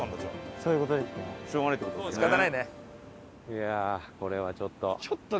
いやあこれはちょっと。